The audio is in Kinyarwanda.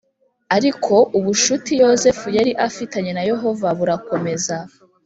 Ariko ubucuti Yozefu yari afitanye na Yehova burakomeza